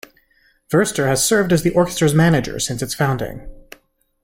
Verster has served as the orchestra's manager since its founding.